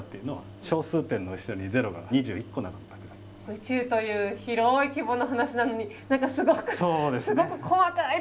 宇宙という広い規模の話なのに何かすごくすごく細かいところに。